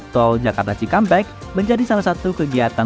tol jakarta cikampek menjadi salah satu kegiatan